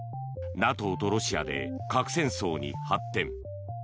ＮＡＴＯとロシアで核戦争に発展。